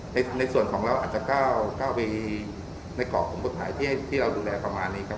แล้วในส่วนของเราอาจจะก้าวไปในกรอบผมทุกที่เราดูแลประมาณนี้ครับ